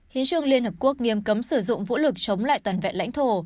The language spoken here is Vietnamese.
hiến trương liên hợp quốc nghiêm cấm sử dụng vũ lực chống lại toàn vẹn lãnh thổ